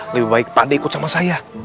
lebih baik pak ade ikut sama saya